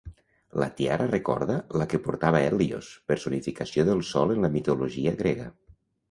La tiara recorda la que portava Hèlios, personificació del Sol en la mitologia grega.